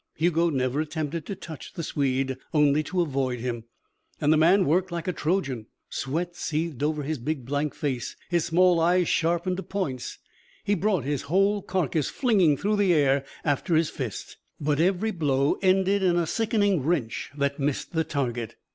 Hugo never attempted to touch the Swede. Only to avoid him. And the man worked like a Trojan. Sweat seethed over his big, blank face. His small eyes sharpened to points. He brought his whole carcass flinging through the air after his fist. But every blow ended in a sickening wrench that missed the target.